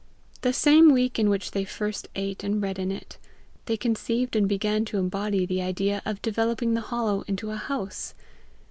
The same week in which they first ate and read in it, they conceived and began to embody the idea of developing the hollow into a house.